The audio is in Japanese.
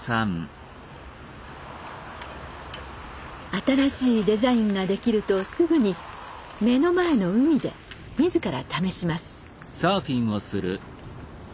新しいデザインができるとすぐに目の前の海で自ら試します。